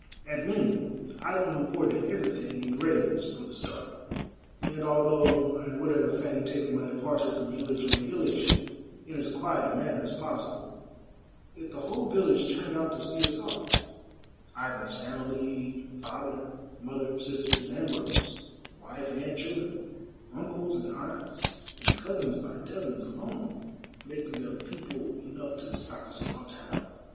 At length Ivan reported everything in readiness for the start; and although I would have fain taken my departure from Hitch on the Hitch in as quiet a manner as possible, yet the whole village turned out to see us off — Ivan's family, father, mother, sisters, and brothers, wife and children, uncles and aunts and cousins by dozens alone making up people enough to stock a small town.